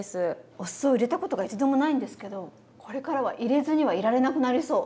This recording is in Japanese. お酢を入れたことが一度もないんですけどこれからは入れずにはいられなくなりそう。